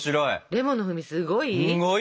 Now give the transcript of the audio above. レモンの風味すごい？